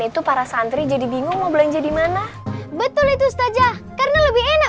itu para santri jadi bingung mau belanja di mana betul itu saja karena lebih enak